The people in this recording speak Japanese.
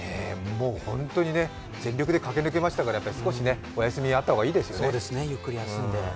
ホントに全力で駆け抜けましたから、少しお休みがあった方がいいですね。